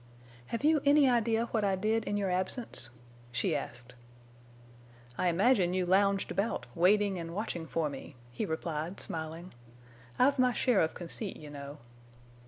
"Have you any idea what I did in your absence?" she asked. "I imagine you lounged about, waiting and watching for me," he replied, smiling. "I've my share of conceit, you know."